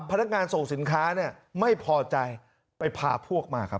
พนักงานส่งสินค้าเนี่ยไม่พอใจไปพาพวกมาครับ